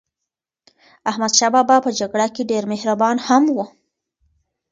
احمدشاه بابا په جګړه کې ډېر مهربان هم و.